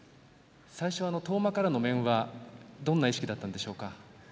最初の遠間からの面はどんな意識だったんでしょうか。